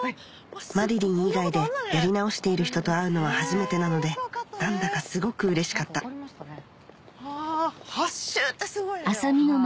まりりん以外でやり直している人と会うのは初めてなので何だかすごくうれしかった８周ってすごいねでも。